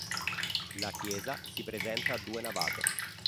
La chiesa si presenta a due navate.